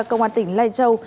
công an tỉnh lai châu